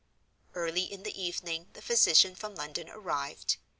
Early in the evening the physician from London arrived.